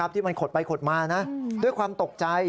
ที่มันขดไปขดมาด้วยความตกใจ